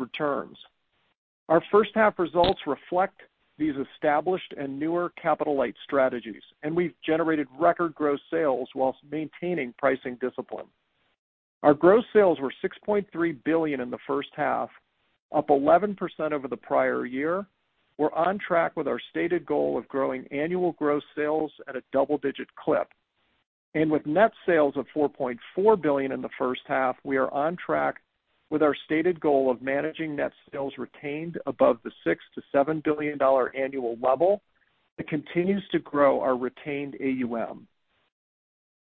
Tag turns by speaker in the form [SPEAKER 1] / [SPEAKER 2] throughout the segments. [SPEAKER 1] returns. Our first half results reflect these established and newer capital-light strategies, we've generated record gross sales whilst maintaining pricing discipline. Our gross sales were $6.3 billion in the first half, up 11% over the prior year. We're on track with our stated goal of growing annual gross sales at a double-digit clip. With net sales of $4.4 billion in the first half, we are on track with our stated goal of managing net sales retained above the $6 billion-$7 billion annual level that continues to grow our retained AUM.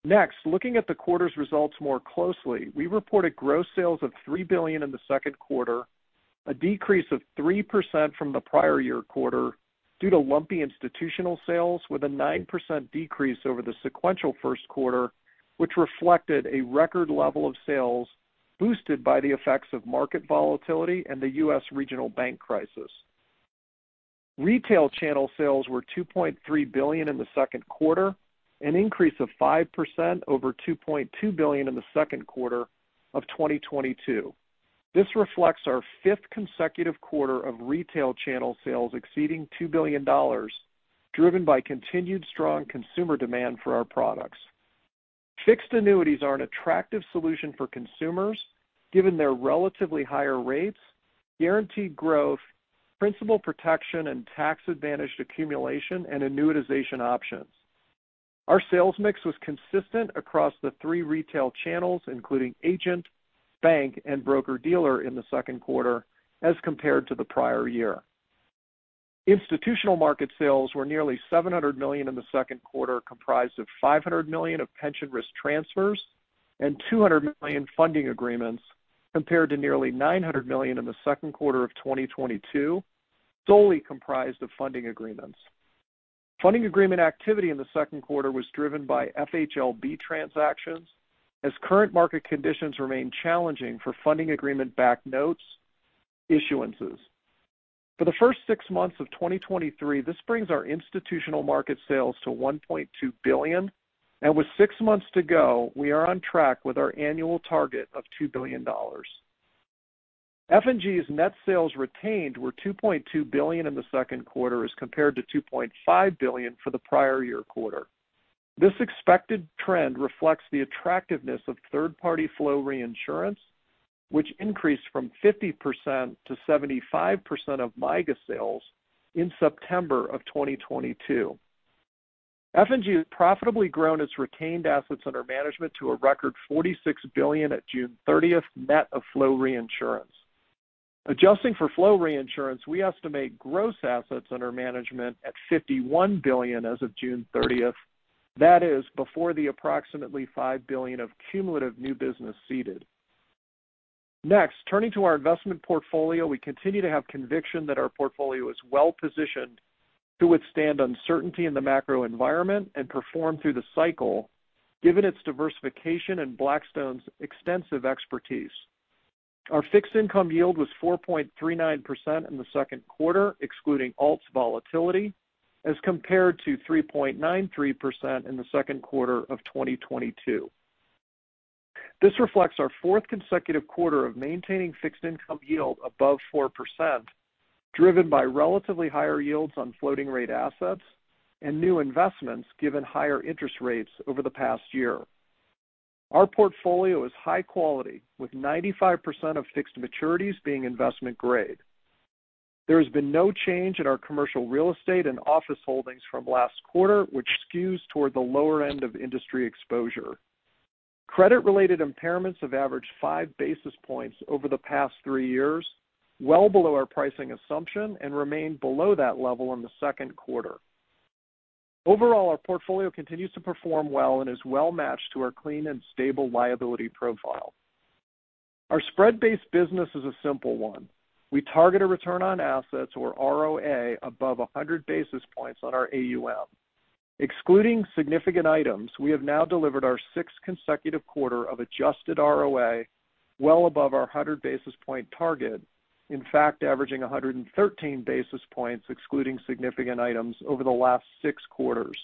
[SPEAKER 1] Next, looking at the quarter's results more closely, we reported gross sales of $3 billion in the second quarter, a decrease of 3% from the prior year quarter due to lumpy institutional sales, with a 9% decrease over the sequential first quarter, which reflected a record level of sales boosted by the effects of market volatility and the U.S. regional bank crisis. Retail channel sales were $2.3 billion in the second quarter, an increase of 5% over $2.2 billion in the second quarter of 2022. This reflects our fifth consecutive quarter of retail channel sales exceeding $2 billion, driven by continued strong consumer demand for our products. Fixed annuities are an attractive solution for consumers, given their relatively higher rates, guaranteed growth, principal protection, and tax-advantaged accumulation and annuitization options. Our sales mix was consistent across the three retail channels, including agent, bank, and broker-dealer in the second quarter as compared to the prior year. Institutional market sales were nearly $700 million in the second quarter, comprised of $500 million of pension risk transfers and $200 million funding agreements, compared to nearly $900 million in the second quarter of 2022, solely comprised of funding agreements. Funding agreement activity in the second quarter was driven by FHLB transactions, as current market conditions remain challenging for funding agreement-backed notes issuances. For the first six months of 2023, this brings our institutional market sales to $1.2 billion, and with six months to go, we are on track with our annual target of $2 billion. F&G's net sales retained were $2.2 billion in the second quarter as compared to $2.5 billion for the prior year quarter. This expected trend reflects the attractiveness of third-party flow reinsurance, which increased from 50% to 75% of MYGA sales in September 2022. F&G has profitably grown its retained assets under management to a record $46 billion at June thirtieth, net of flow reinsurance. Adjusting for flow reinsurance, we estimate gross assets under management at $51 billion as of June thirtieth. That is before the approximately $5 billion of cumulative new business ceded. Turning to our investment portfolio, we continue to have conviction that our portfolio is well positioned to withstand uncertainty in the macro environment and perform through the cycle, given its diversification and Blackstone's extensive expertise. Our fixed income yield was 4.39% in the second quarter, excluding alts volatility, as compared to 3.93% in the second quarter of 2022. This reflects our fourth consecutive quarter of maintaining fixed income yield above 4%, driven by relatively higher yields on floating rate assets and new investments, given higher interest rates over the past year. Our portfolio is high quality, with 95% of fixed maturities being investment grade. There has been no change in our commercial real estate and office holdings from last quarter, which skews toward the lower end of industry exposure. Credit-related impairments have averaged 5 basis points over the past 3 years, well below our pricing assumption, and remained below that level in the second quarter. Overall, our portfolio continues to perform well and is well matched to our clean and stable liability profile. Our spread-based business is a simple one. We target a return on assets or ROA above 100 basis points on our AUM. Excluding significant items, we have now delivered our sixth consecutive quarter of adjusted ROA well above our 100 basis point target, in fact, averaging 113 basis points, excluding significant items over the last six quarters.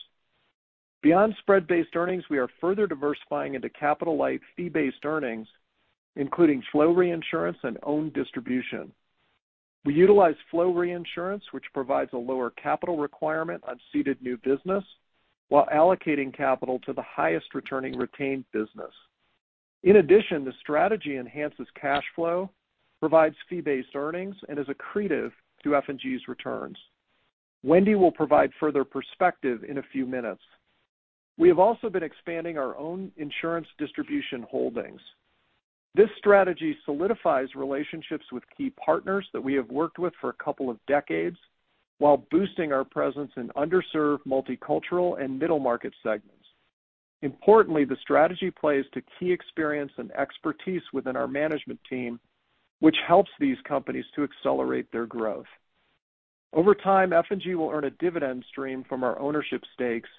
[SPEAKER 1] Beyond spread-based earnings, we are further diversifying into capital-light, fee-based earnings, including flow reinsurance and owned distribution. We utilize flow reinsurance, which provides a lower capital requirement on ceded new business, while allocating capital to the highest returning retained business. In addition, the strategy enhances cash flow, provides fee-based earnings, and is accretive to F&G's returns. Wendy will provide further perspective in a few minutes. We have also been expanding our own insurance distribution holdings. This strategy solidifies relationships with key partners that we have worked with for a couple of decades while boosting our presence in underserved, multicultural, and middle market segments. Importantly, the strategy plays to key experience and expertise within our management team, which helps these companies to accelerate their growth. Over time, F&G will earn a dividend stream from our ownership stakes,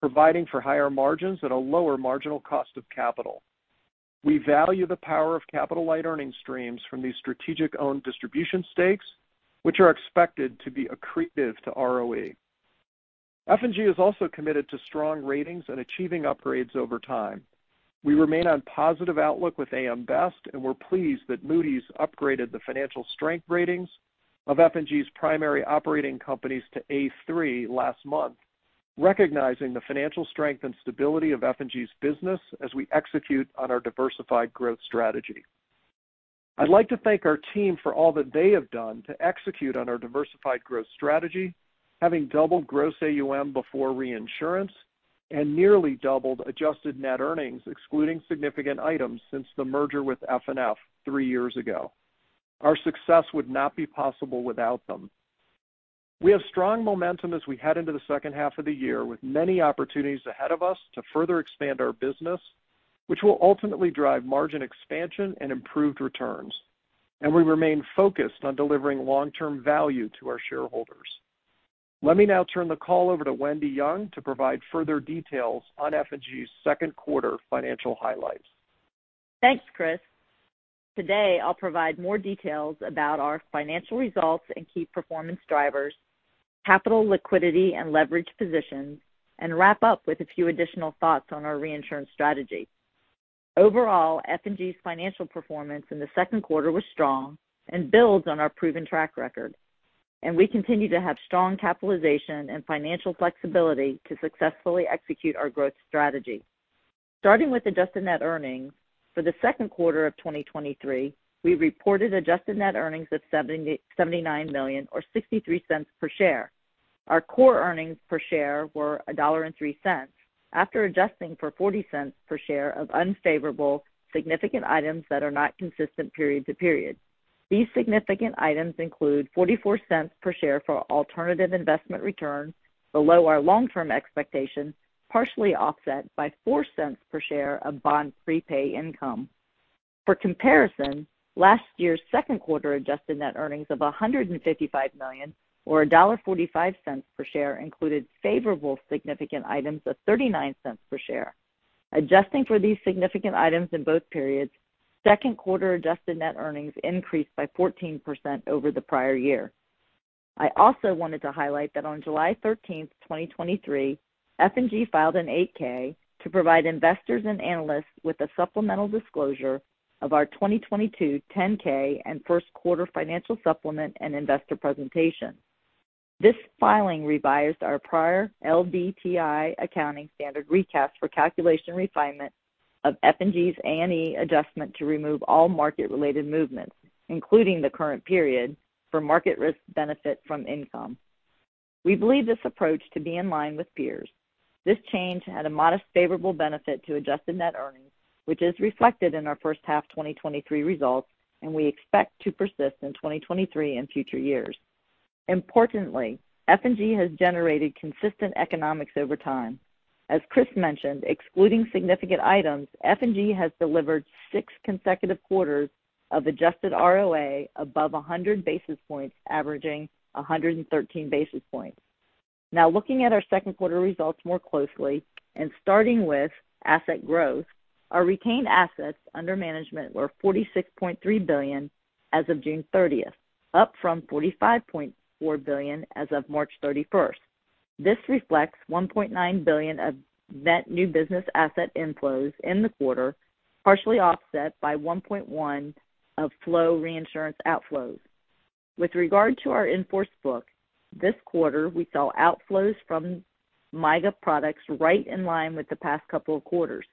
[SPEAKER 1] providing for higher margins at a lower marginal cost of capital. We value the power of capital-light earning streams from these strategic owned distribution stakes, which are expected to be accretive to ROE. F&G is also committed to strong ratings and achieving upgrades over time. We remain on positive outlook with AM Best, and we're pleased that Moody's upgraded the financial strength ratings of F&G's primary operating companies to A3 last month, recognizing the financial strength and stability of F&G's business as we execute on our diversified growth strategy. I'd like to thank our team for all that they have done to execute on our diversified growth strategy, having doubled gross AUM before reinsurance and nearly doubled adjusted net earnings, excluding significant items since the merger with FNF 3 years ago. Our success would not be possible without them. We have strong momentum as we head into the 2nd half of the year, with many opportunities ahead of us to further expand our business, which will ultimately drive margin expansion and improved returns, and we remain focused on delivering long-term value to our shareholders. Let me now turn the call over to Wendy Young to provide further details on F&G's 2nd quarter financial highlights.
[SPEAKER 2] Thanks, Chris. Today, I'll provide more details about our financial results and key performance drivers, capital, liquidity, and leverage positions, and wrap up with a few additional thoughts on our reinsurance strategy. Overall, F&G's financial performance in the second quarter was strong and builds on our proven track record. We continue to have strong capitalization and financial flexibility to successfully execute our growth strategy. Starting with adjusted net earnings, for the second quarter of 2023, we reported adjusted net earnings of $79 million, or $0.63 per share. Our core earnings per share were $1.03, after adjusting for $0.40 per share of unfavorable significant items that are not consistent period to period. These significant items include $0.44 per share for alternative investment returns below our long-term expectations, partially offset by $0.04 per share of bond prepay income. For comparison, last year's second quarter adjusted net earnings of $155 million, or $1.45 per share, included favorable significant items of $0.39 per share. Adjusting for these significant items in both periods, second quarter adjusted net earnings increased by 14% over the prior year. I also wanted to highlight that on July 13, 2023, F&G filed an 8-K to provide investors and analysts with a supplemental disclosure of our 2022 10-K and first quarter financial supplement and investor presentation. This filing revised our prior LDTI accounting standard recast for calculation refinement of F&G's A&E adjustment to remove all market-related movements, including the current period, for market risk benefit from income. We believe this approach to be in line with peers. This change had a modest, favorable benefit to adjusted net earnings, which is reflected in our first half 2023 results, and we expect to persist in 2023 and future years. Importantly, F&G has generated consistent economics over time. As Chris mentioned, excluding significant items, F&G has delivered 6 consecutive quarters of adjusted ROA above 100 basis points, averaging 113 basis points. Looking at our second quarter results more closely and starting with asset growth, our retained assets under management were $46.3 billion as of June 30th, up from $45.4 billion as of March 31st. This reflects $1.9 billion of net new business asset inflows in the quarter, partially offset by $1.1 billion of flow reinsurance outflows. With regard to our in-force book, this quarter, we saw outflows from MYGA products right in line with the past couple of quarters.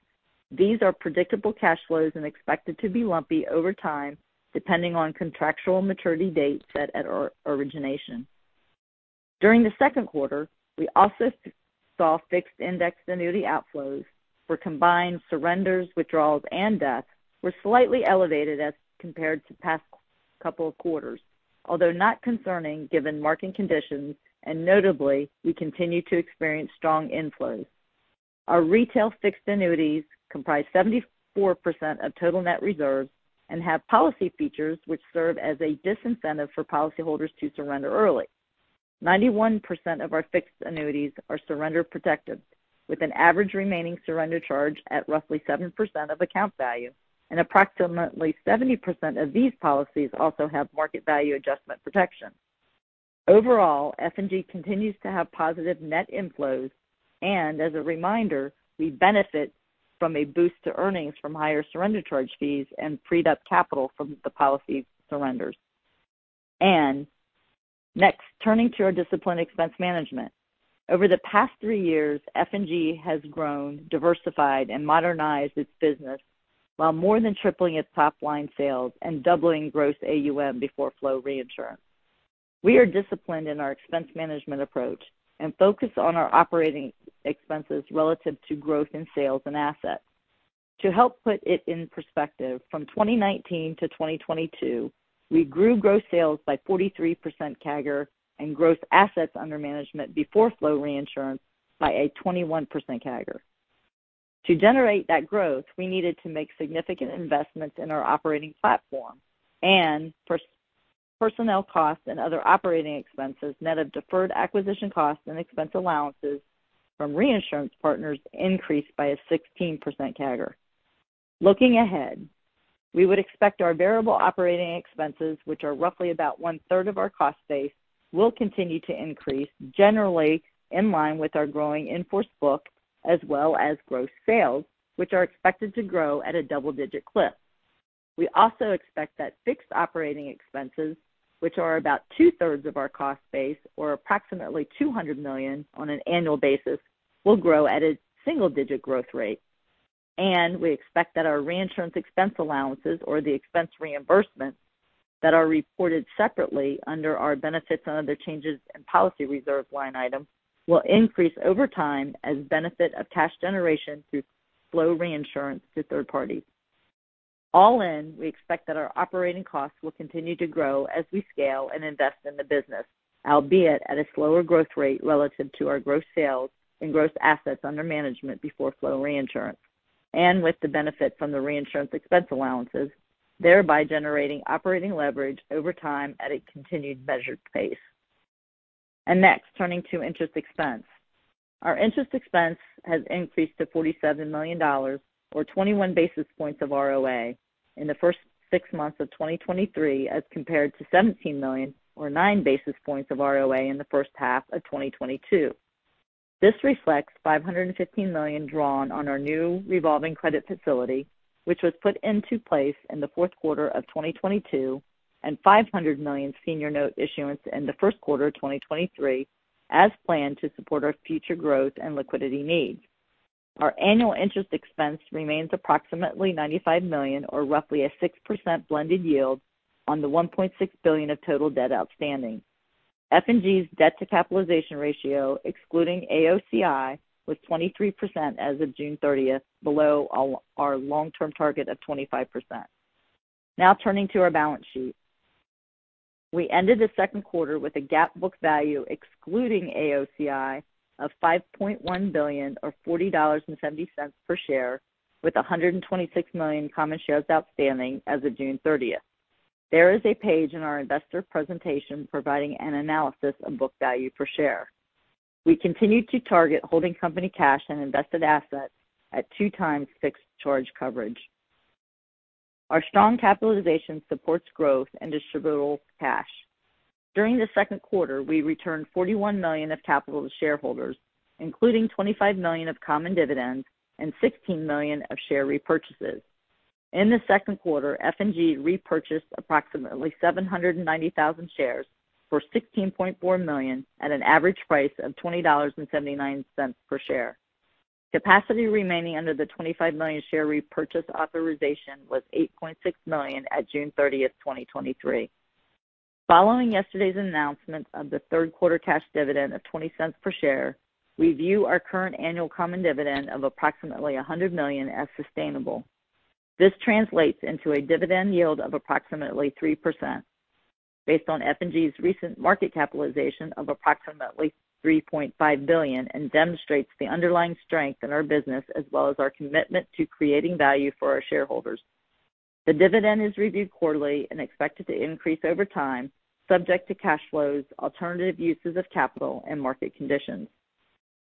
[SPEAKER 2] These are predictable cash flows and expected to be lumpy over time, depending on contractual maturity dates set at origination. During the second quarter, we also saw fixed indexed annuity outflows, where combined surrenders, withdrawals, and deaths were slightly elevated as compared to past couple of quarters, although not concerning, given market conditions, and notably, we continue to experience strong inflows. Our retail fixed annuities comprise 74% of total net reserves and have policy features which serve as a disincentive for policyholders to surrender early. 91% of our fixed annuities are surrender protected, with an average remaining surrender charge at roughly 7% of account value, and approximately 70% of these policies also have market value adjustment protection. Overall, F&G continues to have positive net inflows, as a reminder, we benefit from a boost to earnings from higher surrender charge fees and freed up capital from the policy surrenders. Next, turning to our disciplined expense management. Over the past three years, F&G has grown, diversified, and modernized its business, while more than tripling its top line sales and doubling gross AUM before flow reinsurance. We are disciplined in our expense management approach and focus on our operating expenses relative to growth in sales and assets. To help put it in perspective, from 2019 to 2022, we grew gross sales by 43% CAGR and growth assets under management before flow reinsurance by a 21% CAGR. To generate that growth, we needed to make significant investments in our operating platform and personnel costs and other operating expenses, net of deferred acquisition costs and expense allowances from reinsurance partners increased by a 16% CAGR. Looking ahead, we would expect our variable operating expenses, which are roughly about 1/3 of our cost base, will continue to increase, generally in line with our growing in-force book, as well as gross sales, which are expected to grow at a double-digit clip. We also expect that fixed operating expenses, which are about 2/3 of our cost base or approximately $200 million on an annual basis, will grow at a single-digit growth rate. We expect that our reinsurance expense allowances or the expense reimbursements that are reported separately under our benefits and other changes in policy reserve line item, will increase over time as benefit of cash generation through flow reinsurance to third parties. All in, we expect that our operating costs will continue to grow as we scale and invest in the business, albeit at a slower growth rate relative to our gross sales and gross assets under management before flow reinsurance, and with the benefit from the reinsurance expense allowances, thereby generating operating leverage over time at a continued measured pace. Next, turning to interest expense. Our interest expense has increased to $47 million, or 21 basis points of ROA in the first 6 months of 2023, as compared to $17 million, or 9 basis points of ROA in the first half of 2022. This reflects $515 million drawn on our new revolving credit facility, which was put into place in the fourth quarter of 2022, and $500 million senior note issuance in the first quarter of 2023, as planned to support our future growth and liquidity needs. Our annual interest expense remains approximately $95 million, or roughly a 6% blended yield on the $1.6 billion of total debt outstanding. F&G's debt-to-capitalization ratio, excluding AOCI, was 23% as of June 30th, below our, our long-term target of 25%. Now turning to our balance sheet. We ended the second quarter with a GAAP book value excluding AOCI of $5.1 billion or $40.70 per share, with 126 million common shares outstanding as of June 30th. There is a page in our investor presentation providing an analysis of book value per share. We continue to target holding company cash and invested assets at 2 times fixed charge coverage. Our strong capitalization supports growth and distributable cash. During the 2Q, we returned $41 million of capital to shareholders, including $25 million of common dividends and $16 million of share repurchases. In the 2Q, F&G repurchased approximately 790,000 shares for $16.4 million at an average price of $20.79 per share. Capacity remaining under the 25 million share repurchase authorization was 8.6 million at June 30, 2023. Following yesterday's announcement of the 3Q cash dividend of $0.20 per share, we view our current annual common dividend of approximately $100 million as sustainable. This translates into a dividend yield of approximately 3%. Based on F&G's recent market capitalization of approximately $3.5 billion. This demonstrates the underlying strength in our business, as well as our commitment to creating value for our shareholders. The dividend is reviewed quarterly and expected to increase over time, subject to cash flows, alternative uses of capital, and market conditions.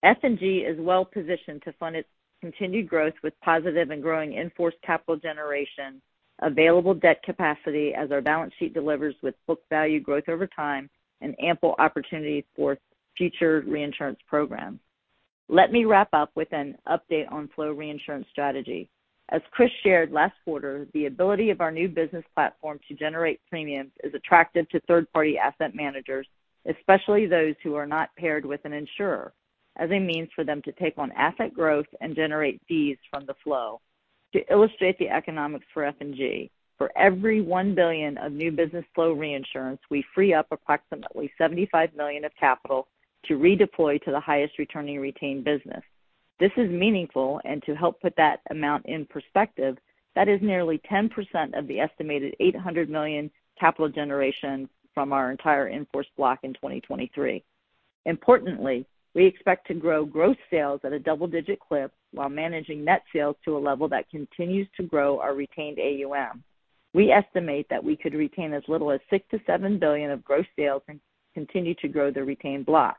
[SPEAKER 2] F&G is well positioned to fund its continued growth with positive and growing in-force capital generation, available debt capacity as our balance sheet delivers with book value growth over time, and ample opportunities for future reinsurance programs. Let me wrap up with an update on flow reinsurance strategy. As Chris shared last quarter, the ability of our new business platform to generate premiums is attractive to third-party asset managers, especially those who are not paired with an insurer, as a means for them to take on asset growth and generate fees from the flow. To illustrate the economics for F&G, for every $1 billion of new business flow reinsurance, we free up approximately $75 million of capital to redeploy to the highest returning retained business. This is meaningful, and to help put that amount in perspective, that is nearly 10% of the estimated $800 million capital generation from our entire in-force block in 2023. Importantly, we expect to grow gross sales at a double-digit clip while managing net sales to a level that continues to grow our retained AUM. We estimate that we could retain as little as $6 billion-$7 billion of gross sales and continue to grow the retained block.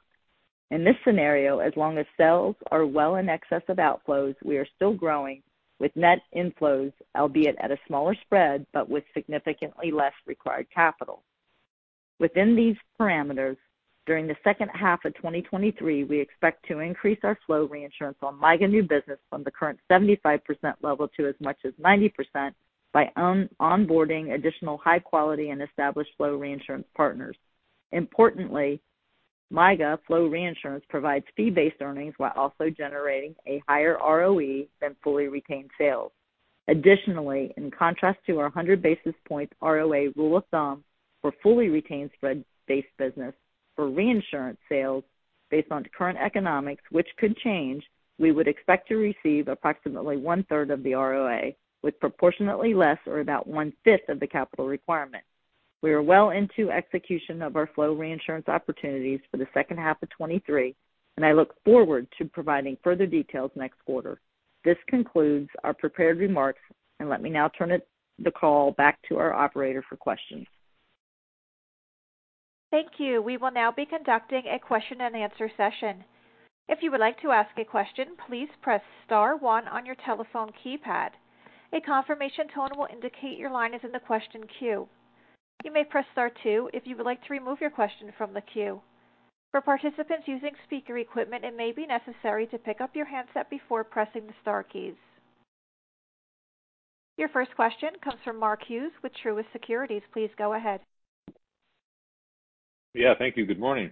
[SPEAKER 2] In this scenario, as long as sales are well in excess of outflows, we are still growing with net inflows, albeit at a smaller spread, but with significantly less required capital. Within these parameters, during the second half of 2023, we expect to increase our flow reinsurance on MYGA new business from the current 75% level to as much as 90% by on-boarding additional high quality and established flow reinsurance partners. Importantly, MYGA flow reinsurance provides fee-based earnings while also generating a higher ROE than fully retained sales. Additionally, in contrast to our 100 basis points ROA rule of thumb for fully retained spread-based business, for reinsurance sales, based on current economics, which could change, we would expect to receive approximately one-third of the ROA, with proportionately less, or about one-fifth of the capital requirement. We are well into execution of our flow reinsurance opportunities for the second half of 2023. I look forward to providing further details next quarter. This concludes our prepared remarks. Let me now turn the call back to our operator for questions.
[SPEAKER 3] Thank you. We will now be conducting a question-and-answer session. If you would like to ask a question, please press star 1 on your telephone keypad. A confirmation tone will indicate your line is in the question queue. You may press star 2 if you would like to remove your question from the queue. For participants using speaker equipment, it may be necessary to pick up your handset before pressing the star keys. Your first question comes from Mark Hughes with Truist Securities. Please go ahead.
[SPEAKER 4] Yeah, thank you. Good morning.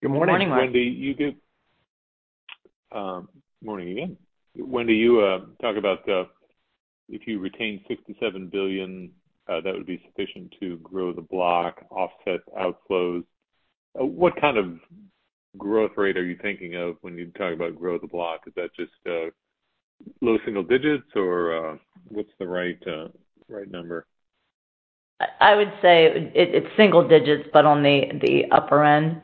[SPEAKER 1] Good morning, Mark.
[SPEAKER 4] Wendy, you give morning again. Wendy, you talk about if you retain $67 billion, that would be sufficient to grow the block, offset outflows. What kind of growth rate are you thinking of when you talk about grow the block? Is that just low single digits or what's the right right number?
[SPEAKER 2] I, I would say it, it's single digits, but on the, the upper end.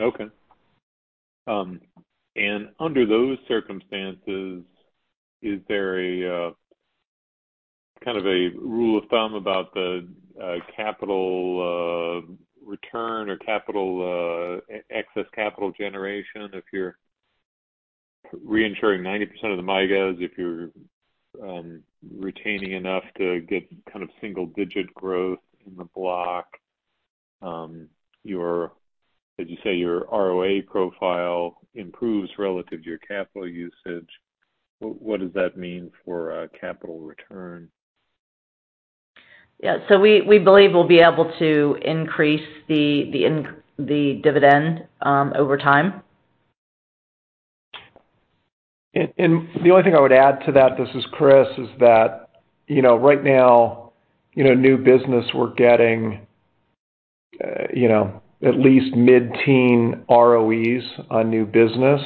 [SPEAKER 4] Okay. Under those circumstances, is there a kind of a rule of thumb about the capital return or capital excess capital generation if you're reinsuring 90% of the MYGAs, if you're retaining enough to get kind of single-digit growth in the block, your, as you say, your ROA profile improves relative to your capital usage. What does that mean for capital return?
[SPEAKER 2] Yeah, we, we believe we'll be able to increase the dividend over time.
[SPEAKER 1] The only thing I would add to that, this is Chris, is that, you know, right now, you know, new business, we're getting, you know, at least mid-teen ROEs on new business.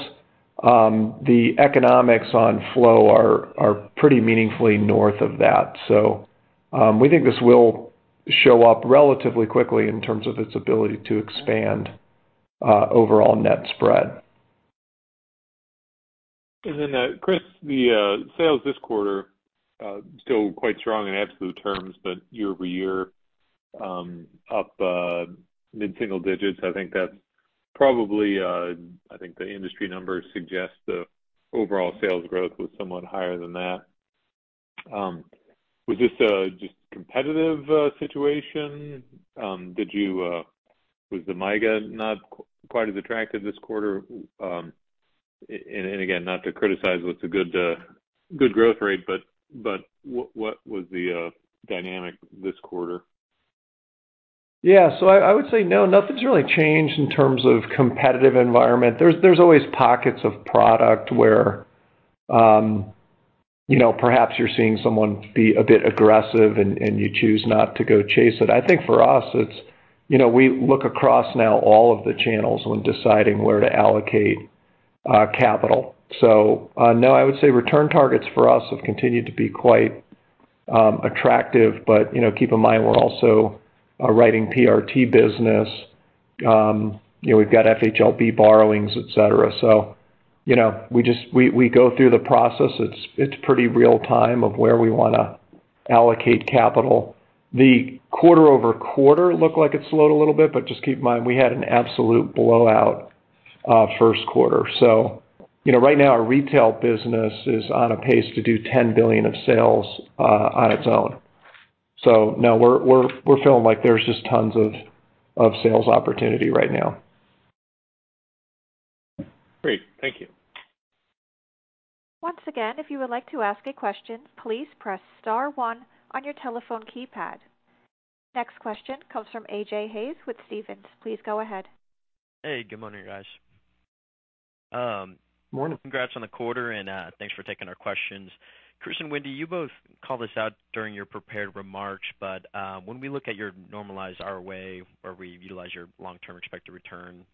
[SPEAKER 1] The economics on flow are, are pretty meaningfully north of that. We think this will show up relatively quickly in terms of its ability to expand overall net spread.
[SPEAKER 4] Chris, the sales this quarter, still quite strong in absolute terms, but year-over-year, up mid-single digits. I think that's probably, I think the industry numbers suggest the overall sales growth was somewhat higher than that. Was this just competitive situation? Did you, was the MYGA not quite as attractive this quarter? Again, not to criticize what's a good, good growth rate, but, but what, what was the dynamic this quarter?
[SPEAKER 1] I, I would say, no, nothing's really changed in terms of competitive environment. There's, there's always pockets of product where, you know, perhaps you're seeing someone be a bit aggressive and, and you choose not to go chase it. I think for us, it's, you know, we look across now all of the channels when deciding where to allocate capital. No, I would say return targets for us have continued to be quite attractive. You know, keep in mind, we're also writing PRT business. You know, we've got FHLB borrowings, et cetera. You know, we just we, we go through the process. It's, it's pretty real-time of where we wanna allocate capital. The quarter-over-quarter looked like it slowed a little bit, but just keep in mind, we had an absolute blowout first quarter. You know, right now, our retail business is on a pace to do $10 billion of sales on its own. No, we're, we're, we're feeling like there's just tons of, of sales opportunity right now.
[SPEAKER 4] Great. Thank you.
[SPEAKER 3] Once again, if you would like to ask a question, please press star one on your telephone keypad. Next question comes from AJ Hayes with Stephens. Please go ahead.
[SPEAKER 5] Hey, good morning, guys.
[SPEAKER 1] Morning.
[SPEAKER 5] Congrats on the quarter, thanks for taking our questions. Chris and Wendy, you both called this out during your prepared remarks, when we look at your normalized ROA, where we utilize your long-term expected return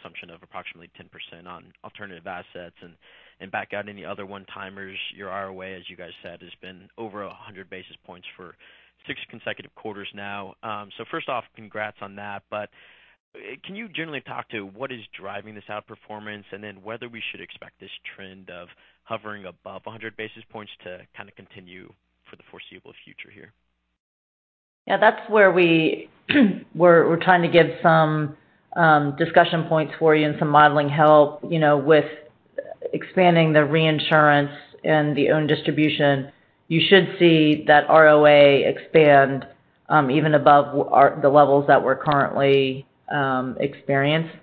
[SPEAKER 5] assumption of approximately 10% on alternative assets and back out any other one-timers, your ROA, as you guys said, has been over 100 basis points for six consecutive quarters now. First off, congrats on that. Can you generally talk to what is driving this outperformance, and then whether we should expect this trend of hovering above 100 basis points to kind of continue for the foreseeable future here?
[SPEAKER 2] Yeah, that's where we, we're, we're trying to give some discussion points for you and some modeling help, you know, with expanding the reinsurance and the own distribution. You should see that ROA expand, even above the levels that we're currently experienced.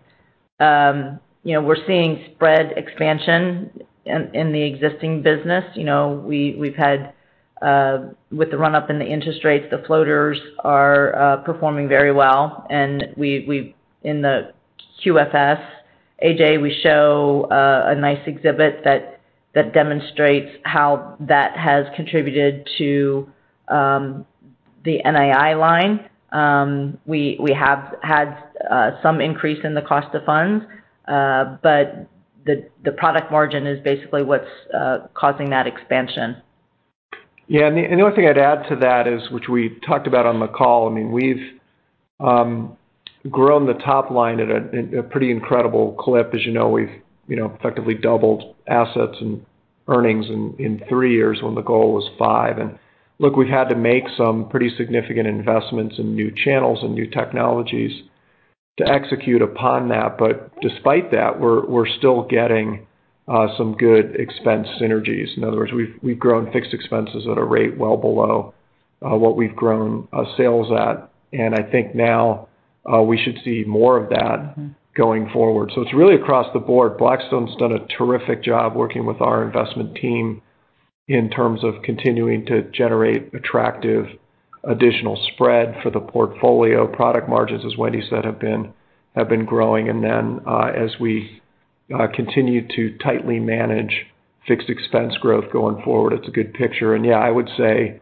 [SPEAKER 2] You know, we're seeing spread expansion in the existing business. You know, we, we've had with the run-up in the interest rates, the floaters are performing very well, and we've in the QFS, AJ, we show a nice exhibit that demonstrates how that has contributed to the NII line. We, we have had some increase in the cost of funds, but the product margin is basically what's causing that expansion.
[SPEAKER 1] The only thing I'd add to that is, which we talked about on the call, I mean, we've grown the top line at a pretty incredible clip. As you know, we've, you know, effectively doubled assets and earnings in three years when the goal was five. Look, we've had to make some pretty significant investments in new channels and new technologies to execute upon that. Despite that, we're still getting some good expense synergies. In other words, we've grown fixed expenses at a rate well below what we've grown sales at. I think now we should see more of that going forward. It's really across the board. Blackstone's done a terrific job working with our investment team in terms of continuing to generate attractive additional spread for the portfolio. Product margins, as Wendy said, have been, have been growing. Then, as we continue to tightly manage fixed expense growth going forward, it's a good picture. Yeah, I would say,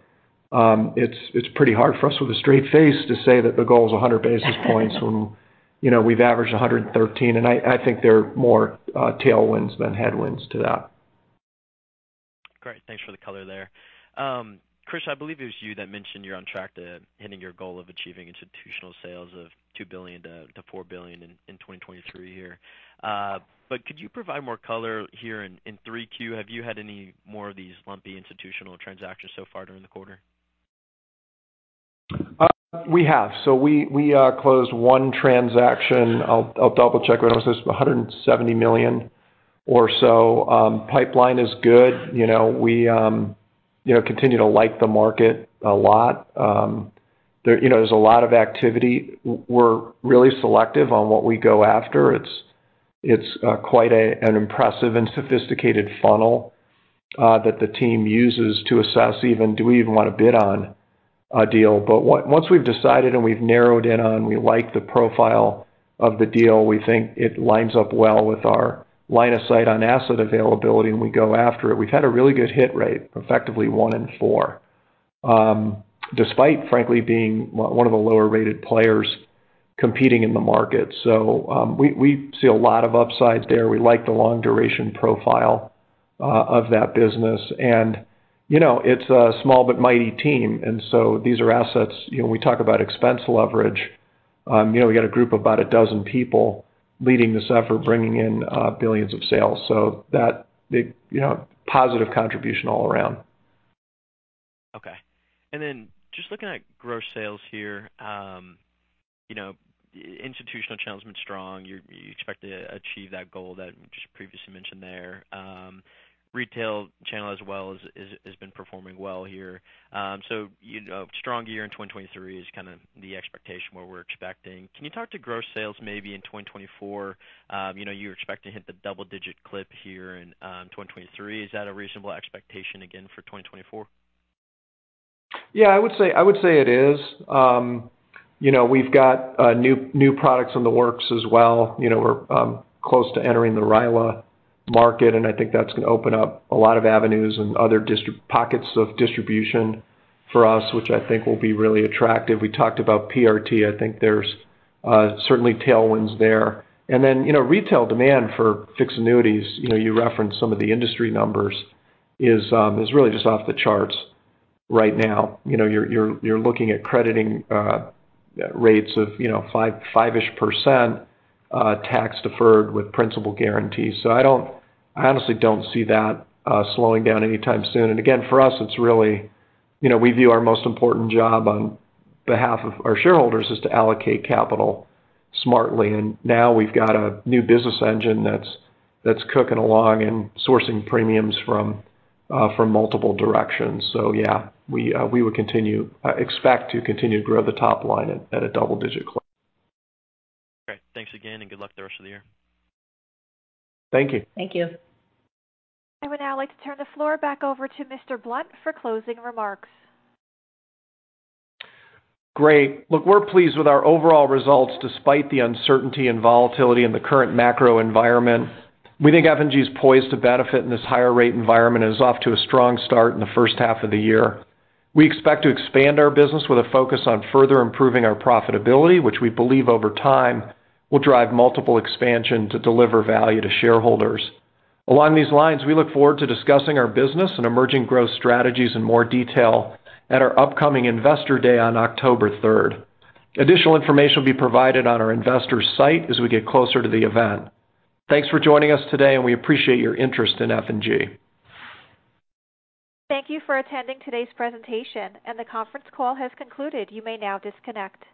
[SPEAKER 1] it's, it's pretty hard for us with a straight face to say that the goal is 100 basis points when, you know, we've averaged 113, and I, I think there are more tailwinds than headwinds to that.
[SPEAKER 5] Great. Thanks for the color there. Chris, I believe it was you that mentioned you're on track to hitting your goal of achieving institutional sales of $2 billion to $4 billion in 2023 here. But could you provide more color here in 3Q? Have you had any more of these lumpy institutional transactions so far during the quarter?
[SPEAKER 1] We have. We closed one transaction. I'll double-check what it was. It was $170 million or so. Pipeline is good. You know, we, you know, continue to like the market a lot. There, you know, there's a lot of activity. We're really selective on what we go after. It's quite an impressive and sophisticated funnel that the team uses to assess even, do we even want to bid on a deal? Once we've decided and we've narrowed in on, we like the profile of the deal, we think it lines up well with our line of sight on asset availability, and we go after it. We've had a really good hit rate, effectively one in four, despite frankly, being one of the lower-rated players competing in the market. We, we see a lot of upside there. We like the long duration profile of that business. You know, it's a small but mighty team, and so these are assets. You know, we talk about expense leverage. You know, we got a group of about 12 people leading this effort, bringing in billions of sales, so that the, you know, positive contribution all around.
[SPEAKER 5] Okay. Then just looking at gross sales here, you know, institutional channel's been strong. You, you expect to achieve that goal that just previously mentioned there. Retail channel as well, has been performing well here. You know, strong year in 2023 is kind of the expectation, what we're expecting. Can you talk to gross sales maybe in 2024? You know, you expect to hit the double-digit clip here in 2023. Is that a reasonable expectation again for 2024?
[SPEAKER 1] Yeah, I would say, I would say it is. You know, we've got new, new products in the works as well. You know, we're close to entering the RILA market, and I think that's going to open up a lot of avenues and other distri- pockets of distribution for us, which I think will be really attractive. We talked about PRT. I think there's certainly tailwinds there. Retail demand for fixed annuities, you referenced some of the industry numbers, is really just off the charts right now. You're, you're, you're looking at crediting rates of 5, 5-ish % tax deferred with principal guarantees. I honestly don't see that slowing down anytime soon. Again, for us, it's really, you know, we view our most important job on behalf of our shareholders, is to allocate capital smartly, and now we've got a new business engine that's, that's cooking along and sourcing premiums from multiple directions. Yeah, we, we will continue, expect to continue to grow the top line at a double-digit clip.
[SPEAKER 5] Great. Thanks again, and good luck the rest of the year.
[SPEAKER 1] Thank you.
[SPEAKER 3] Thank you. I would now like to turn the floor back over to Chris Blunt for closing remarks.
[SPEAKER 1] Great. Look, we're pleased with our overall results, despite the uncertainty and volatility in the current macro environment. We think F&G is poised to benefit in this higher rate environment and is off to a strong start in the first half of the year. We expect to expand our business with a focus on further improving our profitability, which we believe over time, will drive multiple expansion to deliver value to shareholders. Along these lines, we look forward to discussing our business and emerging growth strategies in more detail at our upcoming Investor Day on October third. Additional information will be provided on our investors' site as we get closer to the event. Thanks for joining us today, and we appreciate your interest in F&G.
[SPEAKER 3] Thank you for attending today's presentation. The conference call has concluded. You may now disconnect.